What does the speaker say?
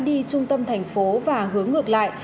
đi trung tâm thành phố và hướng ngược lại